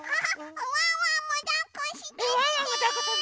ワンワンもだっこしてして！